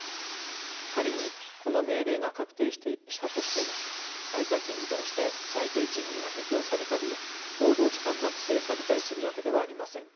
仮にこの命令が確定したとしても配達員に対して最低賃金が適用されたり労働時間が規制されたりするわけではありません。